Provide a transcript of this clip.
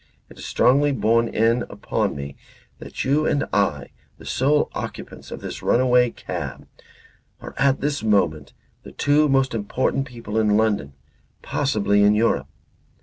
It is strongly borne in upon me that you and I, the sole occupants of this runaway cab, are at this moment the two most important people in London, possibly in Europe.